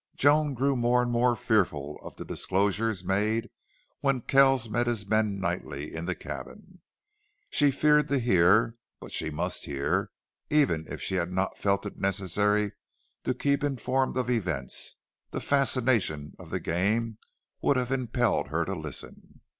Joan grew more and more fearful of the disclosures made when Kells met his men nightly in the cabin. She feared to hear, but she must hear, and even if she had not felt it necessary to keep informed of events, the fascination of the game would have impelled her to listen.